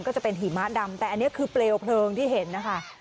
ก็จะเป็นหิมะดำแต่อันนี้คือเปลวเพลิงที่เห็นนะคะ